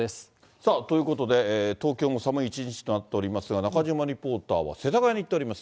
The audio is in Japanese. さあ、ということで、東京も寒い一日となっておりますが、中島リポーターは、世田谷に行っております。